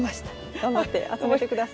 頑張って集めてください。